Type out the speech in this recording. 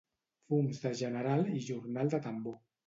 Fums de general i jornal de tambor.